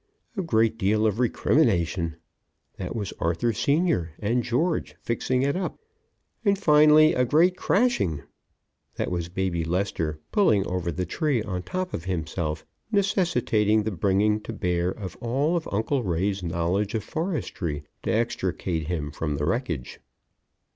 A great deal of recrimination! That was Arthur, Sr., and George fixing it up. And finally a great crashing! That was Baby Lester pulling over the tree on top of himself, necessitating the bringing to bear of all of Uncle Ray's knowledge of forestry to extricate him from the wreckage.